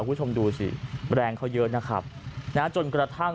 คุณผู้ชมดูสิแรงเขาเยอะนะครับนะจนกระทั่ง